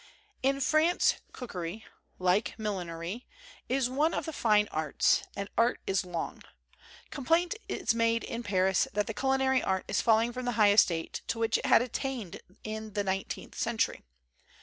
In France cookery (like millinery) is one of the fine arts; and art is long. Complaint is made in Paris that the culinary art is falling from the high estate to which it had attained in the nineteenth century.